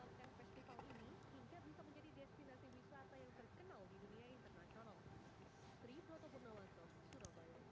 sehingga bisa menjadi destinasi wisata yang terkenal di dunia internasional